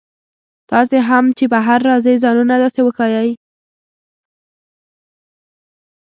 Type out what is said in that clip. تاسي هم چې بهر راځئ ځانونه داسې وښایئ.